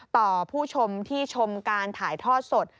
ต่อผู้ชมที่ชมการถ่ายทอดสด